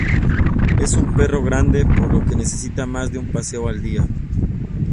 Es un perro grande, por lo que necesita más de un paseo al día.